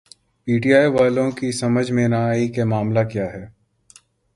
P T I والوں کی سمجھ میں نہ آئی کہ معاملہ کیا ہے۔